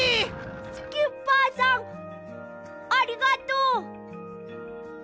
スキッパーさんありがとう！